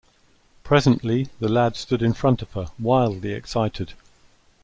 Presently the lad stood in front of her, wildly excited.